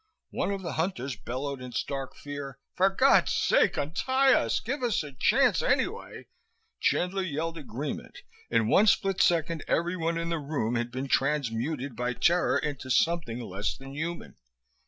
One of the hunters bellowed in stark fear: "For God's sake, untie us! Give us a chance, anyway!" Chandler yelled agreement. In one split second everyone in the room had been transmuted by terror into something less than human.